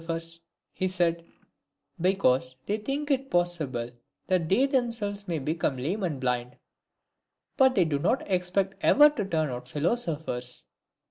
phers, he said, " Because they think it possible that they themselves may become lame and blind, but they do not expect ever to turn out philosophers."